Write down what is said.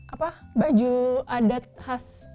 apa baju adat khas